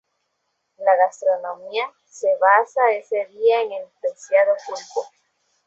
La gastronomía se basa ese día en el preciado pulpo.